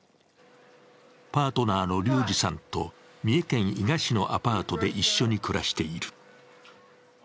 パートナーの龍志さんと三重県伊賀市のアパートで一緒に暮らしている。